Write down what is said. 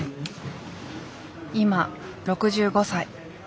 今６５歳。